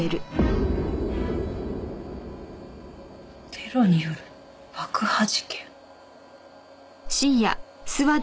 「テロによる爆破事件」。